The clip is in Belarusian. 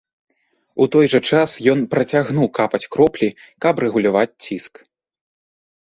У той жа час ён працягнуў капаць кроплі, каб рэгуляваць ціск.